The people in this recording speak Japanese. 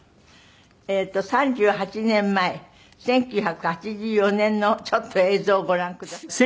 ３８年前１９８４年のちょっと映像をご覧くださいませ。